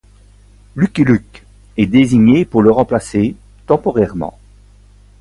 Lucky Luke est désigné pour le remplacer, temporairement.